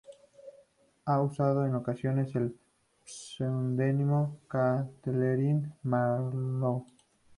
Ha usado en ocasiones el pseudónimo de Katharine Marlowe.